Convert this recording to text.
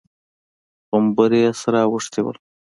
غومبري يې سره اوښتي وو.